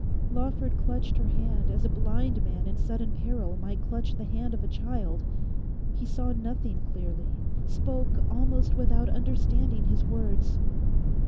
Lawford clutched her hand as a blind man in sudden peril might clutch the hand of a child. He saw nothing clearly; spoke almost without understanding his words.